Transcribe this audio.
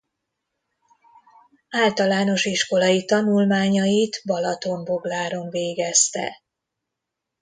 Általános iskolai tanulmányait Balatonbogláron végezte.